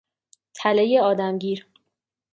تله آدمگیر